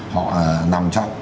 họ nằm trong